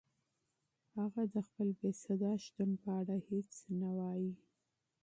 هغه د خپل بېصدا شتون په اړه هیڅ نه وایي.